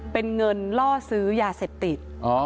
เป็นเงินล่อซื้อยาเสพติด